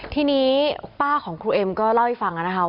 ทีนี้ป้าของครูเอ็มก็เล่าให้ฟังนะคะ